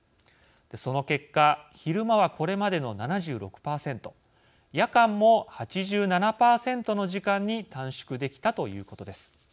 その結果昼間は、これまでの７６％夜間も８７％の時間に短縮できたということです。